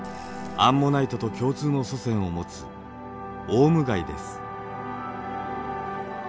アンモナイトと共通の祖先を持つオウムガイです。